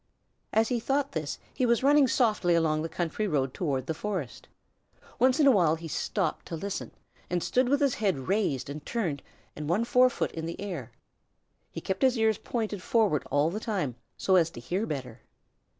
'" As he thought this he was running softly along the country road toward the forest. Once in a while he stopped to listen, and stood with his head raised and turned and one fore foot in the air. He kept his ears pointed forward all the time so as to hear better.